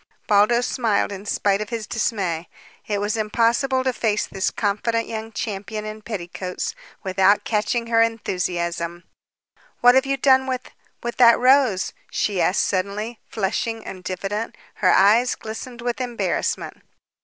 Baldos smiled in spite of his dismay. It was impossible to face this confident young champion in petticoats without catching her enthusiasm. "What have you done with with that rose?" she asked suddenly, flushing and diffident. Her eyes glistened with embarrassment.